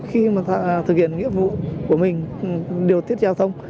khi mà thực hiện nghĩa vụ của mình điều tiết giao thông